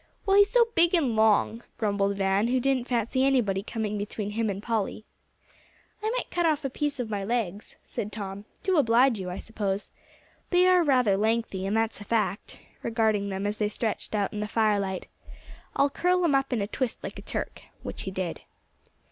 "Well, he's so big and long," grumbled Van, who didn't fancy anybody coming between him and Polly. "I might cut off a piece of my legs," said Tom, "to oblige you, I suppose. They are rather lengthy, and that's a fact," regarding them as they stretched out in the firelight. "I'll curl 'em up in a twist like a Turk," which he did.